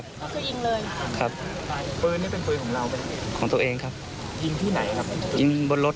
ใช่ครับแต่ก็ไม่คิดว่าจะถึงขั้นนี้เหมือนกัน